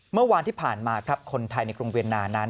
เมื่อวานที่ผ่านมาครับคนไทยในกรุงเวียนนานั้น